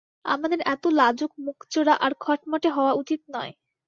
আমাদের এত লাজুক, মুখচোরা আর খটমটে হওয়া উচিৎ নয়।